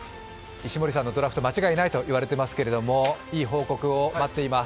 石森さんのドラフト間違いないといわれてますけどいい報告を待っています。